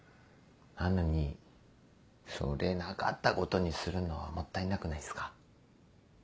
なのにそれなかったことにするのはもったいなくないっすか？